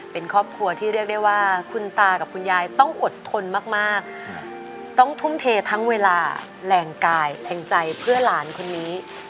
เป็นครอบครัวที่เรียกได้ว่าคุณตากับคุณยายต้องอดทนมากต้องทุ่มเททั้งเวลาแรงกายแรงใจเพื่อหลานคนนี้